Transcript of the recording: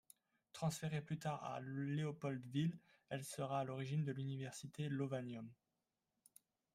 Transférée plus tard à Léopoldville elle sera à l’origine de l’université Lovanium.